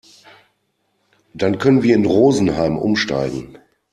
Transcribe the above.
Dann können wir in Rosenheim umsteigen.